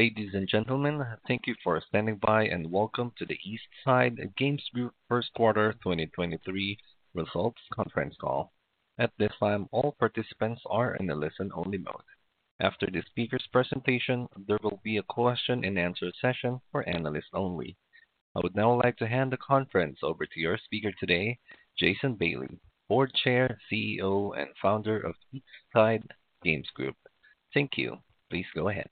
Ladies and gentlemen, thank you for standing by, and welcome to the East Side Games Group First Quarter 2023 Results Conference Call. At this time, all participants are in a listen-only mode. After the speaker's presentation, there will be a question and answer session for analysts only. I would now like to hand the conference over to your speaker today, Jason Bailey, Board Chair, CEO, and Founder of East Side Games Group. Thank you. Please go ahead.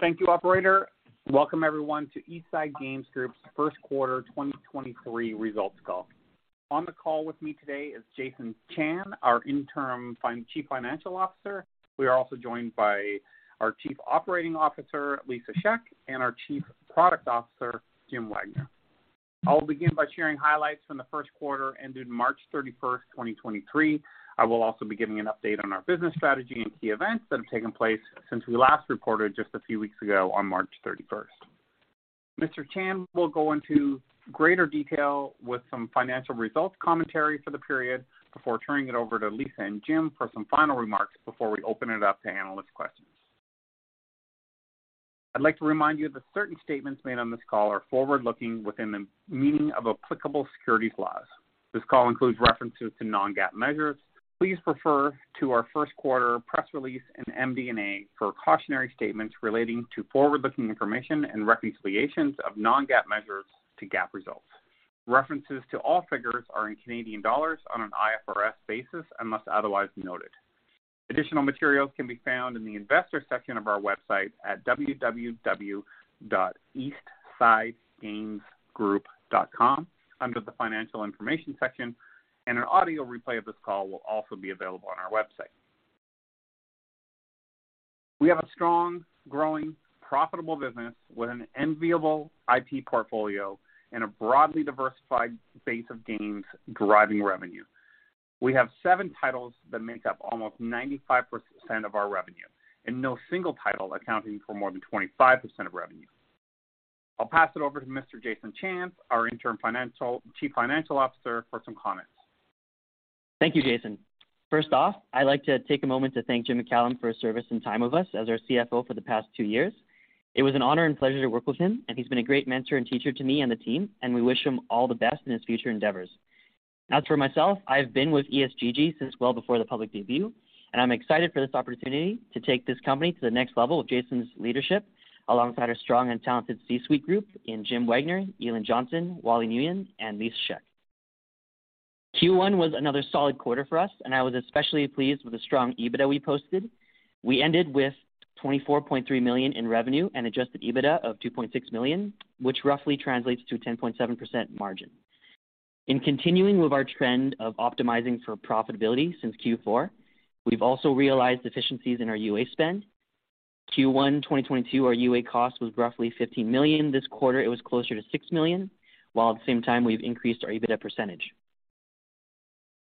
Thank you, operator. Welcome everyone to East Side Games Group's first quarter 2023 results call. On the call with me today is Jason Chan, our Interim Chief Financial Officer. We are also joined by our Chief Operating Officer, Lisa Shek, and our Chief Product Officer, Jim Wagner. I'll begin by sharing highlights from the first quarter ended March 31, 2023. I will also be giving an update on our business strategy and key events that have taken place since we last reported just a few weeks ago on March 31. Mr. Chan will go into greater detail with some financial results commentary for the period before turning it over to Lisa and Jim for some final remarks before we open it up to analyst questions. I'd like to remind you that certain statements made on this call are forward-looking within the meaning of applicable securities laws. This call includes references to non-GAAP measures. Please refer to our first quarter press release and MD&A for cautionary statements relating to forward-looking information and reconciliations of non-GAAP measures to GAAP results. References to all figures are in Canadian dollars on an IFRS basis, unless otherwise noted. Additional materials can be found in the investor section of our website at www.eastsidegamesgroup.com under the financial information section, and an audio replay of this call will also be available on our website. We have a strong, growing, profitable business with an enviable IP portfolio and a broadly diversified base of games driving revenue. We have seven titles that make up almost 95% of our revenue, and no single title accounting for more than 25% of revenue. I'll pass it over to Mr. Jason Chan, our interim Chief Financial Officer for some comments. Thank you, Jason. First off, I'd like to take a moment to thank Jim MacCallum for his service and time with us as our CFO for the past two years. It was an honor and pleasure to work with him. He's been a great mentor and teacher to me and the team. We wish him all the best in his future endeavors. As for myself, I've been with ESGG since well before the public debut, and I'm excited for this opportunity to take this company to the next level with Jason's leadership, alongside our strong and talented C-suite group in Jim Wagner, Elin Jonsson, Wally Nguyen, and Lisa Shek. Q1 was another solid quarter for us, and I was especially pleased with the strong EBITDA we posted. We ended with 24.3 million in revenue and adjusted EBITDA of 2.6 million, which roughly translates to a 10.7% margin. In continuing with our trend of optimizing for profitability since Q4, we've also realized efficiencies in our UA spend. Q1 2022, our UA cost was roughly 15 million. This quarter, it was closer to 6 million, while at the same time, we've increased our EBITDA percentage.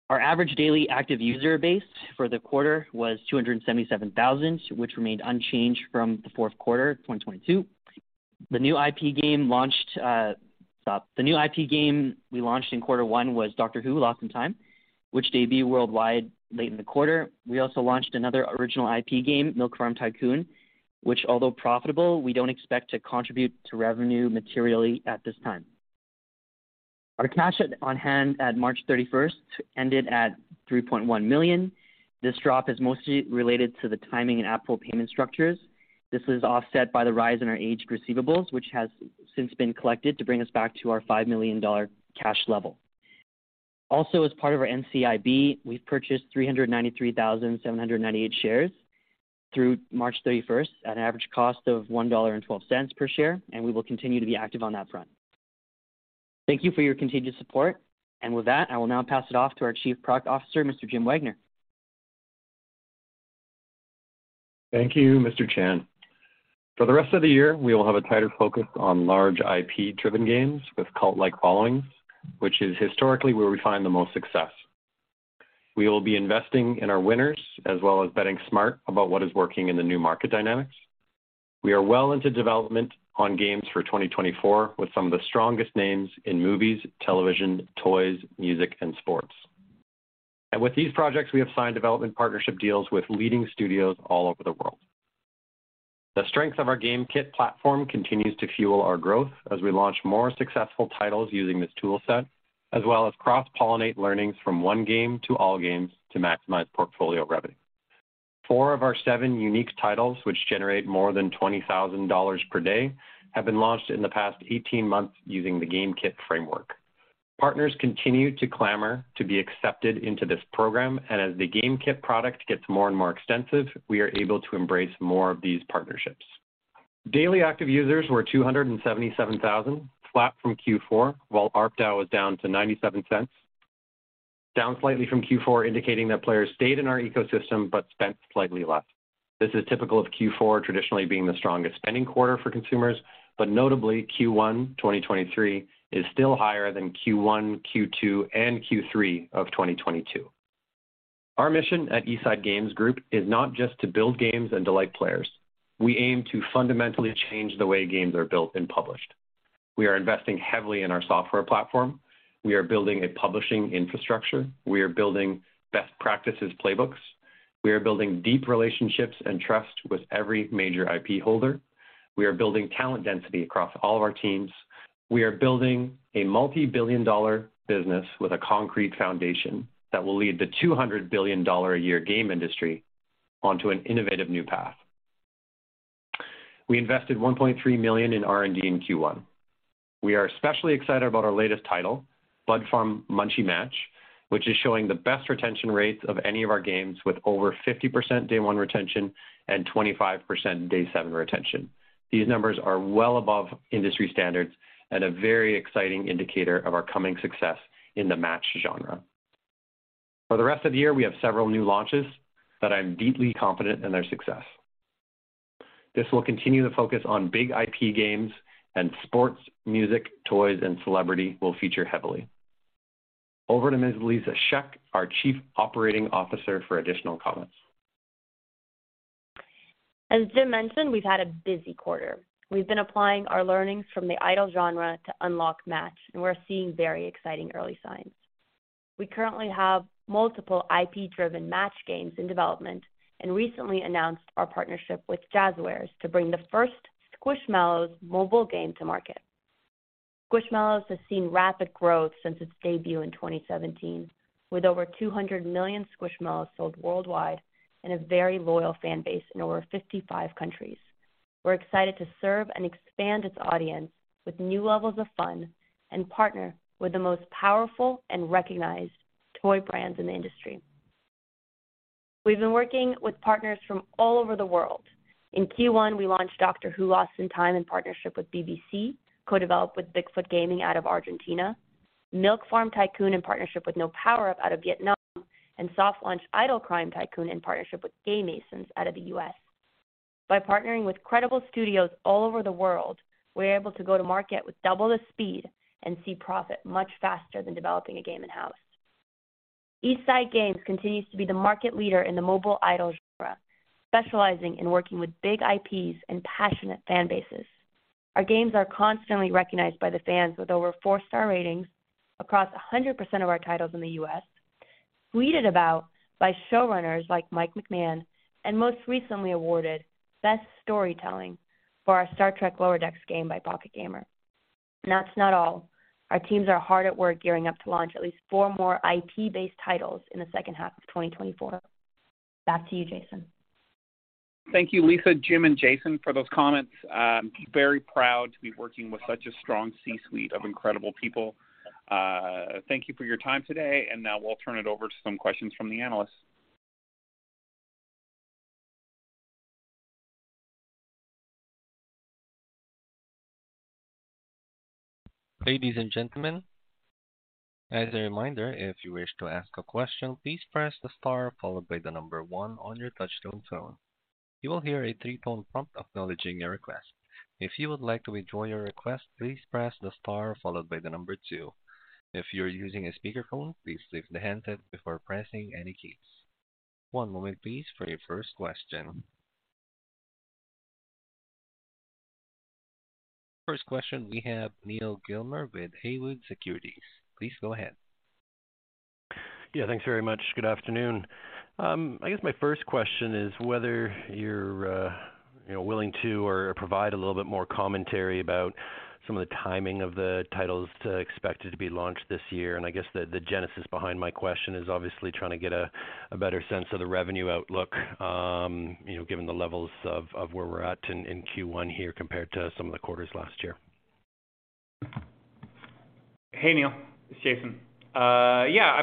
Our average daily active user base for the quarter was 277,000, which remained unchanged from the fourth quarter of 2022. The new IP game we launched in quarter one was Doctor Who: Lost in Time, which debuted worldwide late in the quarter. We also launched another original IP game, Milk Farm Tycoon, which, although profitable, we don't expect to contribute to revenue materially at this time. Our cash on-hand at March 31st ended at 3.1 million. This drop is mostly related to the timing and Apple payment structures. This was offset by the rise in our aged receivables, which has since been collected to bring us back to our 5 million dollar cash level. As part of our NCIB, we've purchased 393,798 shares through March 31st at an average cost of $1.12 per share, and we will continue to be active on that front. Thank you for your continued support. With that, I will now pass it off to our Chief Product Officer, Mr. Jim Wagner. Thank you, Mr. Chan. For the rest of the year, we will have a tighter focus on large IP-driven games with cult-like followings, which is historically where we find the most success. We will be investing in our winners, as well as betting smart about what is working in the new market dynamics. We are well into development on games for 2024 with some of the strongest names in movies, television, toys, music, and sports. With these projects, we have signed development partnership deals with leading studios all over the world. The strength of our GameKit platform continues to fuel our growth as we launch more successful titles using this tool set, as well as cross-pollinate learnings from one game to all games to maximize portfolio revenue. Four of our seven unique titles, which generate more than 20,000 dollars per day, have been launched in the past 18 months using the GameKit framework. Partners continue to clamor to be accepted into this program, and as the GameKit product gets more and more extensive, we are able to embrace more of these partnerships. Daily active users were 277,000, flat from Q4, while ARPDAU was down to 0.97, down slightly from Q4, indicating that players stayed in our ecosystem but spent slightly less. This is typical of Q4 traditionally being the strongest spending quarter for consumers, but notably, Q1 2023 is still higher than Q1, Q2, and Q3 of 2022. Our mission at East Side Games Group is not just to build games and delight players. We aim to fundamentally change the way games are built and published. We are investing heavily in our software platform. We are building a publishing infrastructure. We are building best practices playbooks. We are building deep relationships and trust with every major IP holder. We are building talent density across all of our teams. We are building a multi-billion dollar business with a concrete foundation that will lead the $200 billion a year game industry onto an innovative new path. We invested 1.3 million in R&D in Q1. We are especially excited about our latest title, Bud Farm: Munchie Match, which is showing the best retention rates of any of our games with over 50% D1 retention and 25% D7 retention. These numbers are well above industry standards and a very exciting indicator of our coming success in the Match genre. For the rest of the year, we have several new launches that I'm deeply confident in their success. This will continue to focus on big IP games and sports, music, toys, and celebrity will feature heavily. Over to Ms. Lisa Shek, our Chief Operating Officer, for additional comments. As Jim mentioned, we've had a busy quarter. We've been applying our learnings from the Idle genre to unlock Match, and we're seeing very exciting early signs. We currently have multiple IP-driven Match games in development and recently announced our partnership with Jazwares to bring the first Squishmallows mobile game to market. Squishmallows has seen rapid growth since its debut in 2017, with over 200 million Squishmallows sold worldwide and a very loyal fan base in over 55 countries. We're excited to serve and expand its audience with new levels of fun and partner with the most powerful and recognized toy brands in the industry. We've been working with partners from all over the world. In Q1, we launched Doctor Who: Lost in Time in partnership with BBC, co-developed with Bigfoot Gaming out of Argentina, Milk Farm Tycoon in partnership with No Power Up out of Vietnam, and soft launched Idle Crime Tycoon in partnership with Game Masons out of the U.S. By partnering with credible studios all over the world, we're able to go to market with double the speed and see profit much faster than developing a game in-house. East Side Games continues to be the market leader in the mobile Idle genre, specializing in working with big IPs and passionate fan bases. Our games are constantly recognized by the fans with over 4-star ratings across 100% of our titles in the U.S., tweeted about by showrunners like Mike McMahan, most recently awarded Best Storytelling for our Star Trek: Lower Decks game by Pocket Gamer. That's not all. Our teams are hard at work gearing up to launch at least 4 more IP-based titles in the second half of 2024. Back to you, Jason. Thank you, Lisa, Jim, and Jason for those comments. Very proud to be working with such a strong C-suite of incredible people. Thank you for your time today, now we'll turn it over to some questions from the analysts. Ladies and gentlemen, as a reminder, if you wish to ask a question, please press the star followed by the number one on your touchtone phone. You will hear a three-tone prompt acknowledging your request. If you would like to withdraw your request, please press the star followed by the number two. If you're using a speakerphone, please lift the handset before pressing any keys. One moment please for your first question. First question, we have Neal Gilmer with Haywood Securities. Please go ahead. Yeah, thanks very much. Good afternoon. I guess my first question is whether you're, you know, willing to or provide a little bit more commentary about some of the timing of the titles to expected to be launched this year. I guess the genesis behind my question is obviously trying to get a better sense of the revenue outlook, you know, given the levels of where we're at in Q1 here compared to some of the quarters last year. Hey, Neal, it's Jason. Yeah, I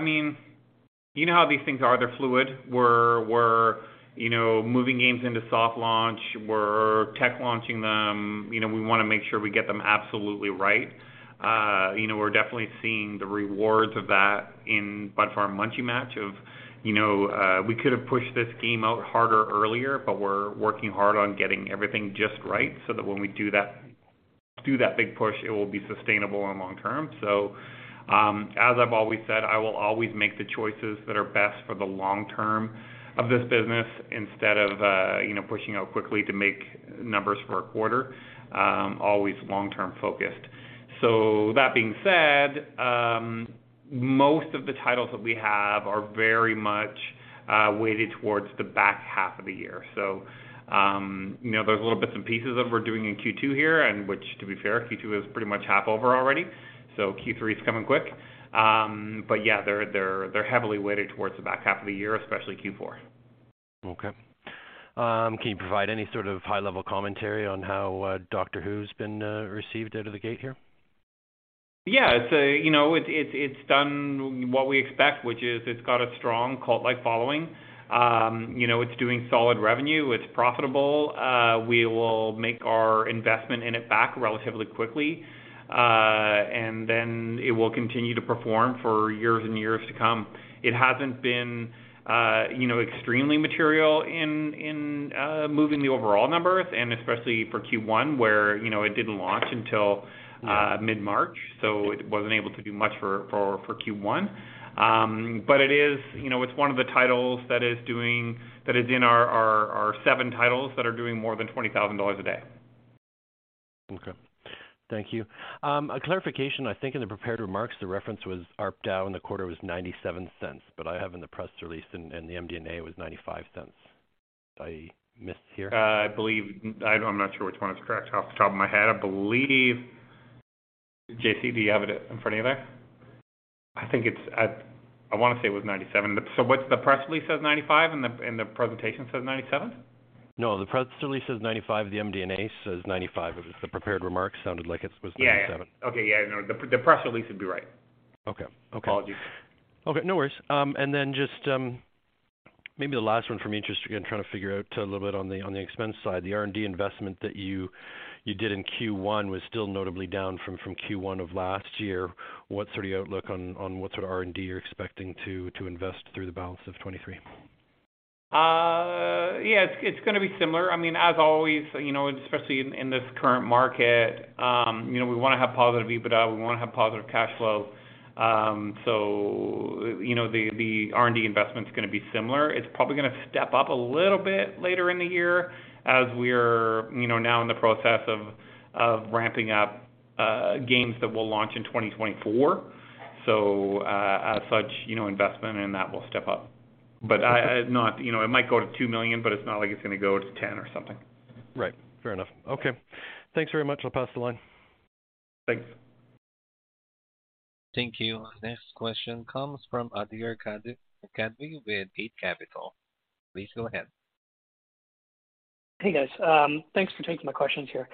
mean, you know how these things are. They're fluid. We're, you know, moving games into soft launch. We're tech launching them. You know, we want to make sure we get them absolutely right. You know, we're definitely seeing the rewards of that in Bud Farm: Munchie Match of, you know, we could have pushed this game out harder earlier, we're working hard on getting everything just right so that when we do that big push, it will be sustainable and long term. As I've always said, I will always make the choices that are best for the long term of this business instead of, you know, pushing out quickly to make numbers for a quarter. Always long term focused. That being said, most of the titles that we have are very much weighted towards the back half of the year. You know, there's little bits and pieces of what we're doing in Q2 here, and which to be fair, Q2 is pretty much half over already. Q3 is coming quick. Yeah, they're heavily weighted towards the back half of the year, especially Q4. Okay. Can you provide any sort of high-level commentary on how Doctor Who's been received out of the gate here? Yeah. It's, you know, it's done what we expect, which is it's got a strong cult-like following. You know, it's doing solid revenue. It's profitable. We will make our investment in it back relatively quickly. It will continue to perform for years and years to come. It hasn't been, you know, extremely material in moving the overall numbers, especially for Q1 where, you know, it didn't launch until mid-March, so it wasn't able to do much for Q1. It is, you know, it's one of the titles that is in our 7 titles that are doing more than 20,000 dollars a day. Okay. Thank you. A clarification, I think in the prepared remarks, the reference was ARP down the quarter was $0.97, but I have in the press release and the MD&A was $0.95. Did I miss here? I believe. I'm not sure which one is correct off the top of my head. I believe, J.C., do you have it in front of you there? I wanna say it was 97. What's the press release says 95 and the, and the presentation says 97? No, the press release says 95, the MD&A says 95. It was the prepared remarks sounded like was 97. Yeah. Okay. Yeah, no. The, the press release would be right. Okay. Okay. Apologies. Okay, no worries. Just maybe the last one for me, just again, trying to figure out a little bit on the expense side. The R&D investment that you did in Q1 was still notably down from Q1 of last year. What's sort of your outlook on what sort of R&D you're expecting to invest through the balance of 2023? Yeah, it's gonna be similar. I mean, as always, you know, especially in this current market, you know, we wanna have positive EBITDA, we wanna have positive cash flow. You know, the R&D investment's gonna be similar. It's probably gonna step up a little bit later in the year as we're, you know, now in the process of ramping up games that will launch in 2024. As such, you know, investment in that will step up. You know, it might go to 2 million, but it's not like it's gonna go to 10 or something. Right. Fair enough. Okay. Thanks very much. I'll pass the line. Thanks. Thank you. Next question comes from Adir Katzav with G.A. Capital Partners. Please go ahead. Hey, guys. Thanks for taking my questions here.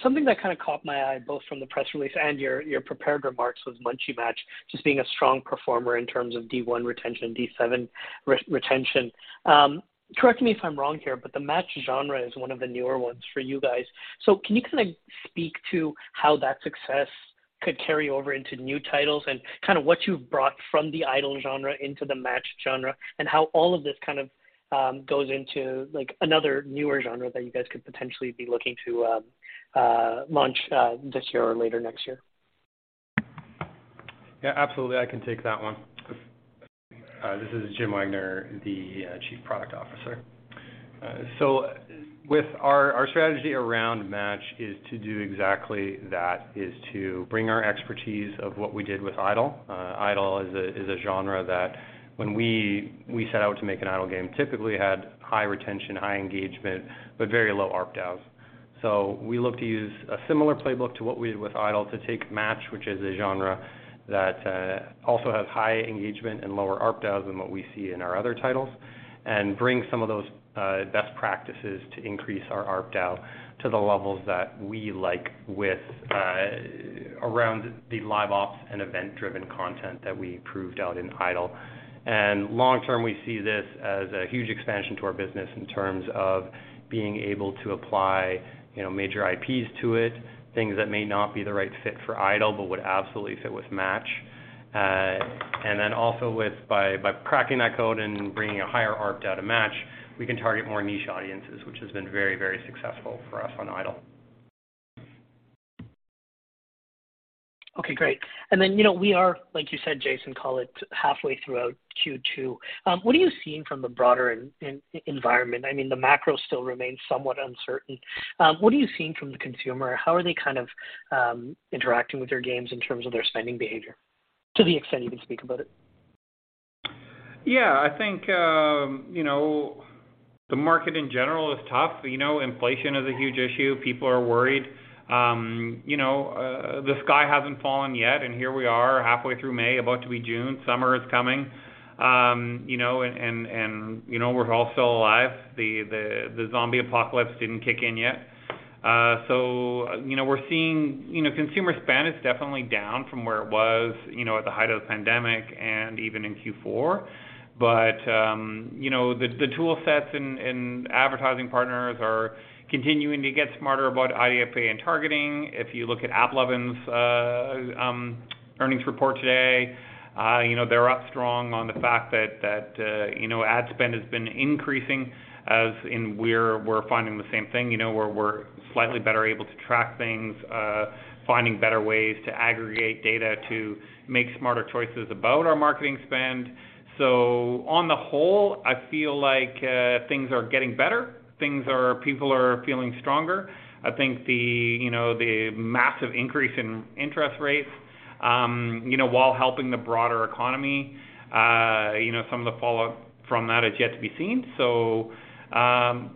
Something that kind of caught my eye, both from the press release and your prepared remarks, was Munchie Match just being a strong performer in terms of D1 retention, D7 retention. Correct me if I'm wrong here, but the match genre is one of the newer ones for you guys. Can you kinda speak to how that success could carry over into new titles and kinda what you've brought from the idle genre into the match genre, and how all of this kind of goes into like another newer genre that you guys could potentially be looking to launch this year or later next year? Yeah, absolutely, I can take that one. This is Jim Wagner, the Chief Product Officer. With our strategy around match is to do exactly that, is to bring our expertise of what we did with idle. Idle is a genre that when we set out to make an idle game, typically had high retention, high engagement, but very low ARPDAUs. We look to use a similar playbook to what we did with idle to take match, which is a genre that also has high engagement and lower ARPDAUs than what we see in our other titles, and bring some of those best practices to increase our ARPDAU to the levels that we like with around the Live Ops and event-driven content that we proved out in idle. Long-term, we see this as a huge expansion to our business in terms of being able to apply, you know, major IPs to it, things that may not be the right fit for idle, but would absolutely fit with match. Then also with by cracking that code and bringing a higher ARPDAU to match, we can target more niche audiences, which has been very, very successful for us on idle. Okay, great. You know, we are, like you said, Jason, call it halfway throughout Q2. What are you seeing from the broader environment? I mean, the macro still remains somewhat uncertain. What are you seeing from the consumer? How are they kind of, interacting with your games in terms of their spending behavior? To the extent you can speak about it. Yeah, I think, you know, the market in general is tough. You know, inflation is a huge issue. People are worried. You know, the sky hasn't fallen yet. Here we are, halfway through May, about to be June. Summer is coming. You know, you know, we're all still alive. The zombie apocalypse didn't kick in yet. You know, we're seeing. You know, consumer spend is definitely down from where it was, you know, at the height of the pandemic and even in Q4. You know, the tool sets and advertising partners are continuing to get smarter about IDFA and targeting. If you look at AppLovin's earnings report today, you know, they're up strong on the fact that, you know, ad spend has been increasing, as in we're finding the same thing. You know, we're slightly better able to track things, finding better ways to aggregate data to make smarter choices about our marketing spend. On the whole, I feel like things are getting better. People are feeling stronger. I think the, you know, the massive increase in interest rates, you know, while helping the broader economy, you know, some of the fallout from that is yet to be seen. You know,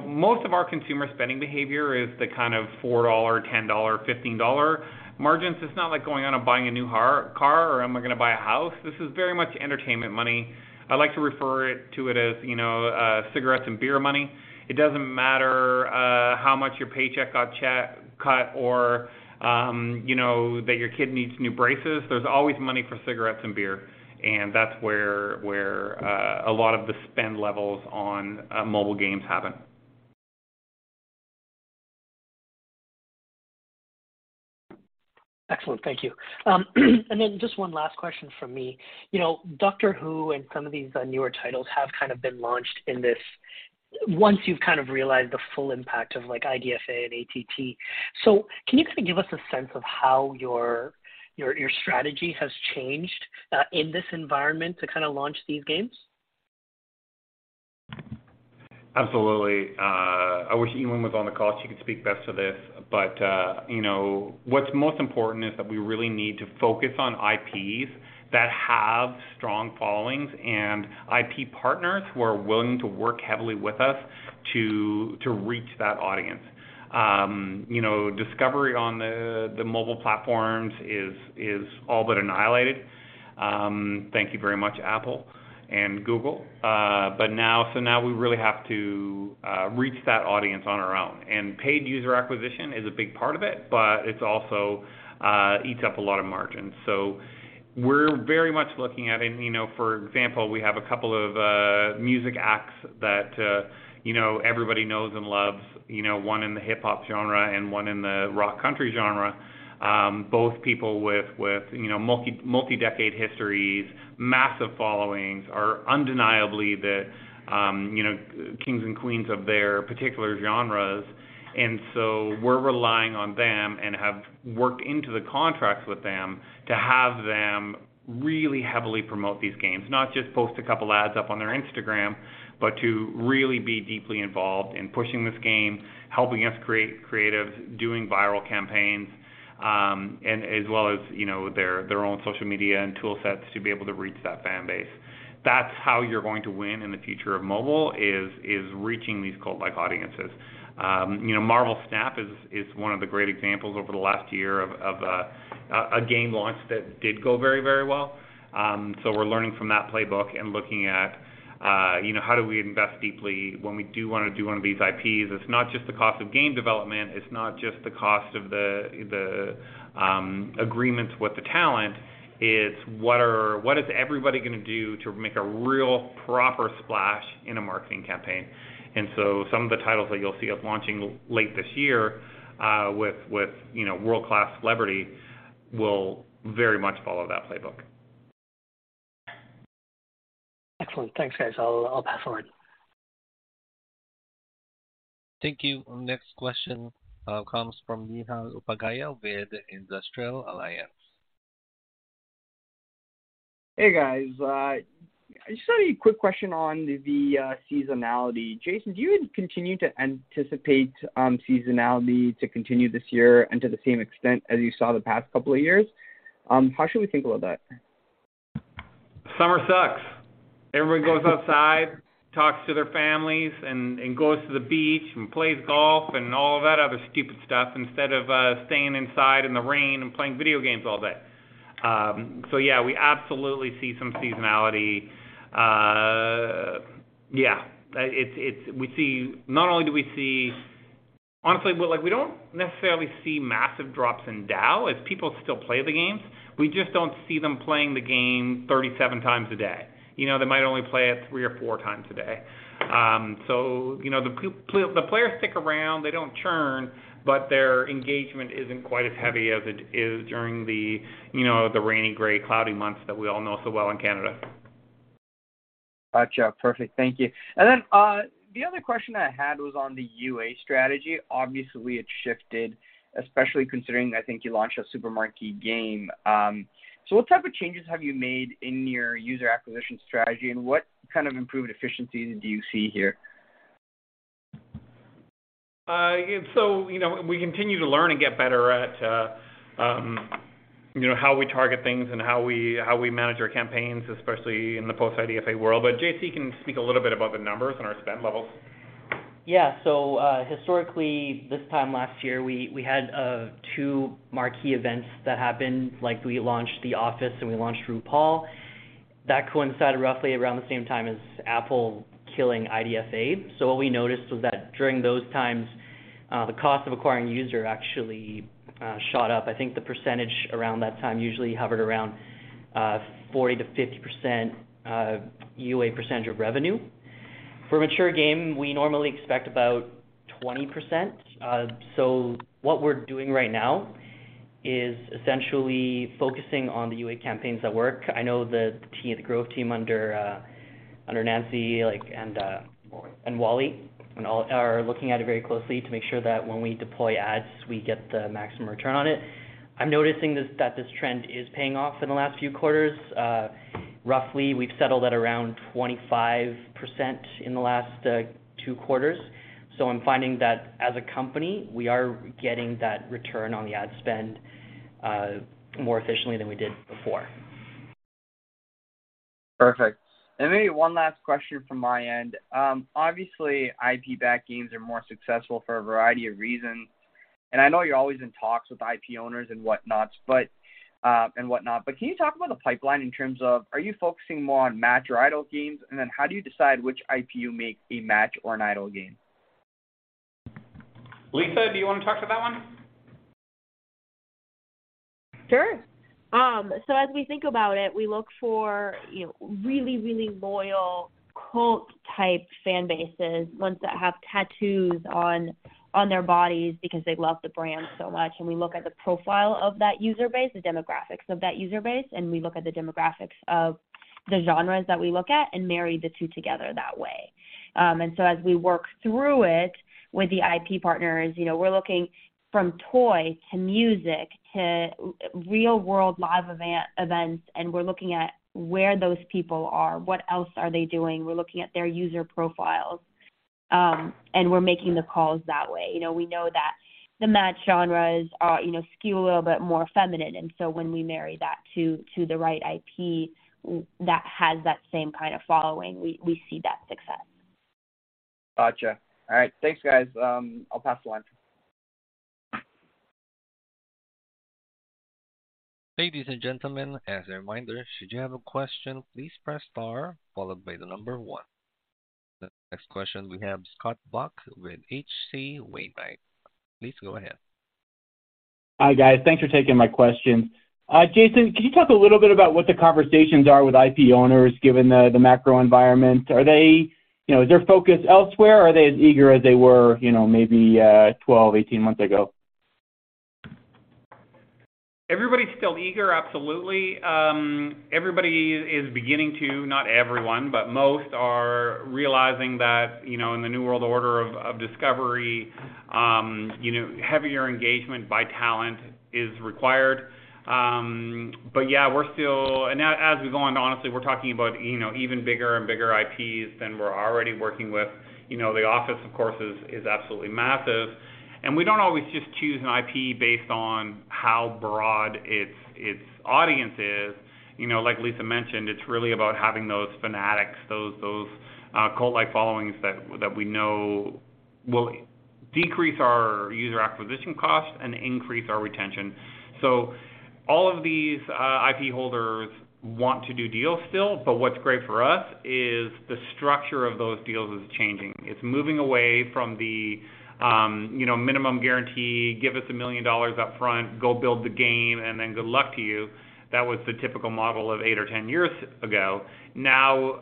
most of our consumer spending behavior is the kind of $4, $10, $15 margins. It's not like going out and buying a new car or am I gonna buy a house. This is very much entertainment money. I like to refer it to it as, you know, cigarettes and beer money. It doesn't matter, how much your paycheck got cut or, you know, that your kid needs new braces. There's always money for cigarettes and beer. That's where a lot of the spend levels on mobile games happen. Excellent. Thank you. Just one last question from me. You know, Doctor Who and some of these newer titles have kind of been launched in this once you've kind of realized the full impact of like IDFA and ATT. Can you kind of give us a sense of how your strategy has changed in this environment to kinda launch these games? Yuen was on the call, she could speak best to this. What's most important is that we really need to focus on IPs that have strong followings and IP partners who are willing to work heavily with us to reach that audience. You know, discovery on the mobile platforms is all but annihilated. Thank you very much, Apple and Google. So now we really have to reach that audience on our own. And paid user acquisition is a big part of it, but it's also eats up a lot of margins. So we're very much looking at... You know, for example, we have a couple of music acts that, you know, everybody knows and loves, you know, one in the hip hop genre and one in the rock country genre. Both people with, you know, multi-decade histories, massive followings, are undeniably the, you know, kings and queens of their particular genres. We're relying on them and have worked into the contracts with them to have them really heavily promote these games. Not just post a couple ads up on their Instagram, but to really be deeply involved in pushing this game, helping us create creative, doing viral campaigns, and as well as, you know, their own social media and tool sets to be able to reach that fan base. That's how you're going to win in the future of mobile, is reaching these cult-like audiences. You know, Marvel Snap is one of the great examples over the last year of a game launch that did go very, very well. We're learning from that playbook and looking at, you know, how do we invest deeply when we do wanna do one of these IPs. It's not just the cost of game development, it's not just the cost of the agreements with the talent. It's what is everybody gonna do to make a real proper splash in a marketing campaign. Some of the titles that you'll see us launching late this year, with, you know, world-class celebrity will very much follow that playbook. Excellent. Thanks, guys. I'll pass forward. Thank you. Next question, comes from Neha Upadhya with Industrial Alliance. Hey, guys. Just a quick question on the seasonality. Jason, do you continue to anticipate seasonality to continue this year and to the same extent as you saw the past couple of years? How should we think about that? Summer sucks. Everybody goes outside, talks to their families and goes to the beach and plays golf and all that other stupid stuff instead of staying inside in the rain and playing video games all day. Yeah, we absolutely see some seasonality. Yeah, it's not only do we see. Honestly, but like, we don't necessarily see massive drops in DAU as people still play the games. We just don't see them playing the game 37 times a day. You know, they might only play it three or four times a day. You know, the players stick around, they don't churn, but their engagement isn't quite as heavy as it is during the, you know, the rainy, gray, cloudy months that we all know so well in Canada. Gotcha. Perfect. Thank you. The other question I had was on the UA strategy. Obviously, it shifted, especially considering, I think, you launched a super marquee game. What type of changes have you made in your user acquisition strategy, and what kind of improved efficiencies do you see here? You know, we continue to learn and get better at, you know, how we target things and how we manage our campaigns, especially in the post-IDFA world. J.C. can speak a little bit about the numbers and our spend levels. Historically, this time last year, we had two marquee events that happened, like we launched The Office and we launched RuPaul. That coincided roughly around the same time as Apple killing IDFA. What we noticed was that during those times, the cost of acquiring user actually shot up. I think the percentage around that time usually hovered around 40%-50% UA percentage of revenue. For a mature game, we normally expect about 20%. What we're doing right now is essentially focusing on the UA campaigns that work. I know the growth team under Nancy and Wally and all are looking at it very closely to make sure that when we deploy ads, we get the maximum return on it. I'm noticing that this trend is paying off in the last few quarters. Roughly, we've settled at around 25% in the last, two quarters. I'm finding that as a company, we are getting that return on the ad spend, more efficiently than we did before. Perfect. Maybe one last question from my end. Obviously, IP-backed games are more successful for a variety of reasons, and I know you're always in talks with IP owners and whatnot. Can you talk about the pipeline in terms of, are you focusing more on match or idle games? How do you decide which IP you make a match or an idle game? Lisa, do you wanna talk to that one? Sure. As we think about it, we look for, you know, really, really loyal cult-type fan bases, ones that have tattoos on their bodies because they love the brand so much. We look at the profile of that user base, the demographics of that user base, and we look at the demographics of the genres that we look at and marry the two together that way. As we work through it with the IP partners, you know, we're looking from toy to music to real world live events, and we're looking at where those people are, what else are they doing. We're looking at their user profiles. We're making the calls that way. You know, we know that the match genres are, you know, skew a little bit more feminine. When we marry that to the right IP that has that same kind of following, we see that success. Gotcha. All right. Thanks, guys. I'll pass the line. Ladies and gentlemen, as a reminder, should you have a question, please press star followed by one. The next question we have Scott Buck with H.C. Wainwright. Please go ahead. Hi, guys. Thanks for taking my questions. Jason, can you talk a little bit about what the conversations are with IP owners given the macro environment? Are they, you know, is their focus elsewhere, or are they as eager as they were, you know, maybe, 12, 18 months ago? Everybody's still eager, absolutely. Everybody is beginning to, not everyone, but most are realizing that, you know, in the new world order of discovery, you know, heavier engagement by talent is required. But yeah, we're still... Now as we go on, honestly, we're talking about, you know, even bigger and bigger IPs than we're already working with. You know, The Office, of course, is absolutely massive. And we don't always just choose an IP based on how broad its audience is. You know, like Lisa mentioned, it's really about having those fanatics, those cult-like followings that we know will decrease our user acquisition costs and increase our retention. All of these IP holders want to do deals still, but what's great for us is the structure of those deals is changing. It's moving away from the, you know, minimum guarantee, give us $1 million upfront, go build the game, and then good luck to you. That was the typical model of 8 or 10 years ago. Now,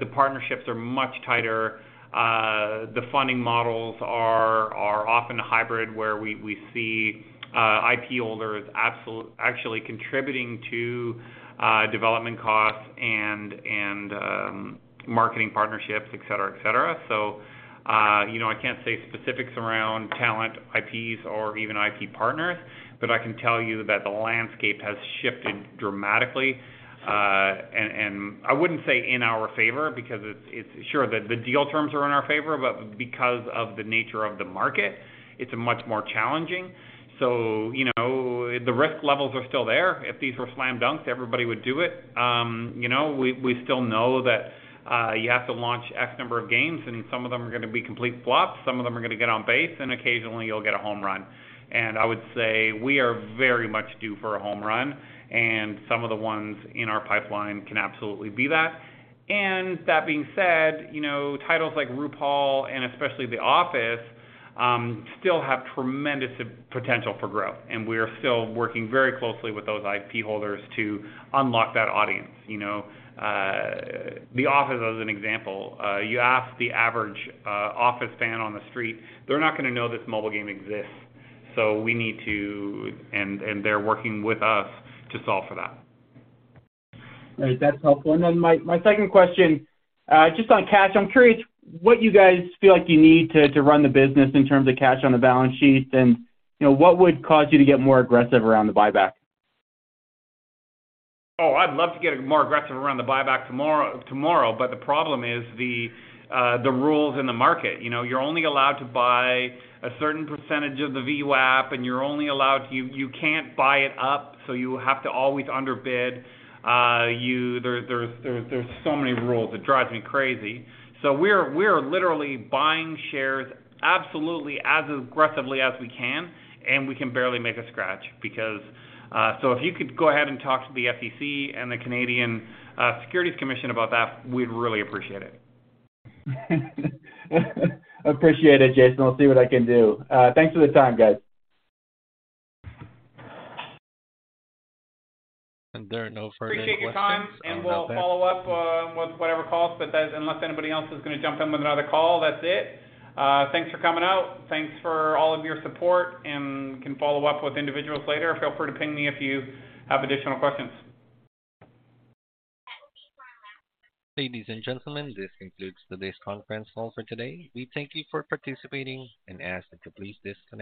the partnerships are much tighter. The funding models are often hybrid, where we see IP holders actually contributing to development costs and marketing partnerships, et cetera, et cetera. You know, I can't say specifics around talent, IPs, or even IP partners, but I can tell you that the landscape has shifted dramatically. And I wouldn't say in our favor because it's. Sure, the deal terms are in our favor, but because of the nature of the market, it's much more challenging. You know, the risk levels are still there. If these were slam dunks, everybody would do it. You know, we still know that you have to launch X number of games, and some of them are gonna be complete flops, some of them are gonna get on base, and occasionally you'll get a home run. I would say we are very much due for a home run, and some of the ones in our pipeline can absolutely be that. That being said, you know, titles like RuPaul and especially The Office still have tremendous potential for growth, and we're still working very closely with those IP holders to unlock that audience, you know. The Office as an example, you ask the average Office fan on the street, they're not gonna know this mobile game exists. we need to, and they're working with us to solve for that. All right. That's helpful. My second question, just on cash. I'm curious what you guys feel like you need to run the business in terms of cash on the balance sheet and, you know, what would cause you to get more aggressive around the buyback? I'd love to get more aggressive around the buyback tomorrow, but the problem is the rules in the market. You know, you're only allowed to buy a certain percentage of the VWAP, and you can't buy it up, so you have to always underbid. There's so many rules it drives me crazy. We're literally buying shares absolutely as aggressively as we can, and we can barely make a scratch. If you could go ahead and talk to the FCC and the Canadian Securities Administrators about that, we'd really appreciate it. Appreciate it, Jason. I'll see what I can do. Thanks for the time, guys. There are no further questions. Appreciate your time. We'll follow up with whatever calls. Unless anybody else is gonna jump in with another call, that's it. Thanks for coming out. Thanks for all of your support and can follow up with individuals later. Feel free to ping me if you have additional questions. Ladies and gentlemen, this concludes today's conference call for today. We thank you for participating and ask that you please disconnect.